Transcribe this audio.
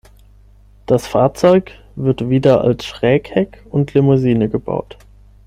Das Fahrzeug wird wieder als Schrägheck und Limousine gebaut.